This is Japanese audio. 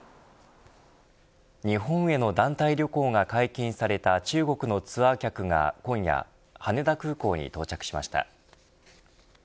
日本への団体旅行が解禁された中国のツアー客が今夜羽田空港に到着しました。